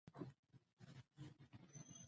د لرغونو اثارو کوم کوم ځایونه پيژنئ.